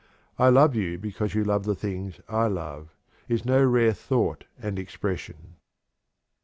"I love you because you love the things I love," is no rare thought and expression.